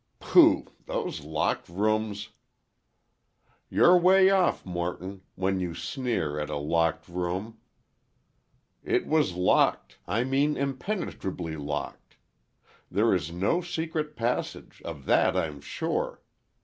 "Pooh! those locked rooms—" "You're 'way off, Morton, when you sneer at a 'locked room.'" "It was locked—I mean impenetrably locked. There is no secret passage—of that I'm sure.